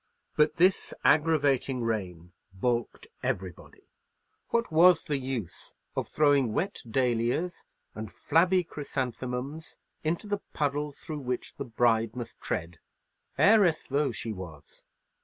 But this aggravating rain balked everybody. What was the use of throwing wet dahlias and flabby chrysanthemums into the puddles through which the bride must tread, heiress though she was?